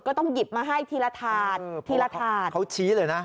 ก็ต้องหยิบมาให้ทีละถาดทีละถาดเขาชี้เลยนะ